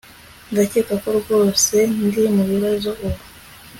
Ndakeka ko rwose ndi mubibazo ubu